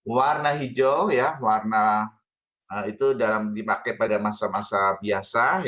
warna hijau ya warna itu dipakai pada masa masa biasa